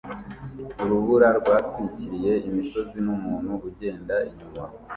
Urubura rwatwikiriye imisozi numuntu ugenda inyuma